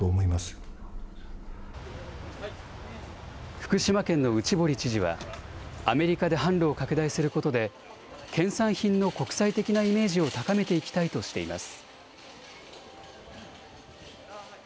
福島県の内堀知事は、アメリカで販路を拡大することで、県産品の国際的なイメージを高めていきたいとしています。